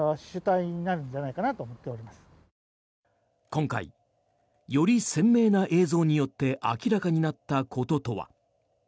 今回、より鮮明な映像によって明らかになったこととは。